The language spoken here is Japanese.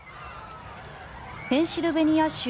ペンシルベニア州